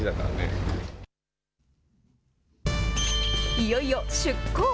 いよいよ出航。